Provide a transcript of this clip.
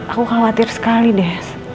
aku khawatir sekali deh